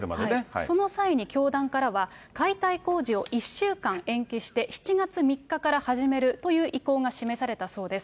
その際に教団からは解体工事を１週間延期して、７月３日から始めるという意向が示されたそうです。